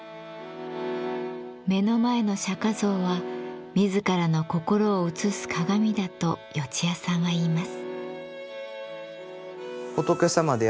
目の前の釈像は自らの心を映す鏡だと四津谷さんは言います。